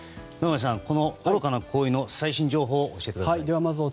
野上さん、この愚かな行為の最新情報を教えてください。